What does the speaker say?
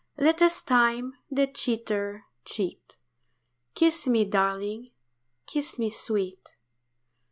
Let us time, the cheater, cheat, Kiss me, darling, kiss me, sweet.